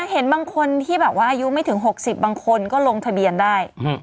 เห็นบางคนที่แบบว่าอายุไม่ถึง๖๐บางคนก็ลงทะเบียนได้